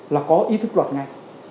là có ý thức luật ngay